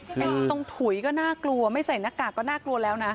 เป็นตรงถุยก็น่ากลัวไม่ใส่หน้ากากก็น่ากลัวแล้วนะ